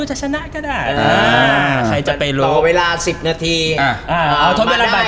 ชนะก็ได้ใครจะไปลองเวลาสิบนาทีต้นเวลาบาท